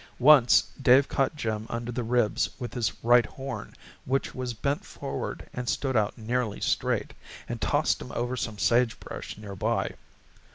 Once Dave caught Jim under the ribs with his right horn, which was bent forward and stood out nearly straight, and tossed him over some sage brush near by.